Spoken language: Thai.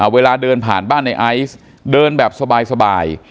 เวลาเดินผ่านบ้านในไอซ์เดินแบบสบาย